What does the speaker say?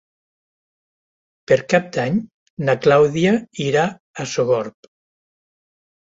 Per Cap d'Any na Clàudia irà a Sogorb.